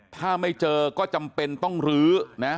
ถ้าไม่เจอก็จำเป็นต้องรื้อนะ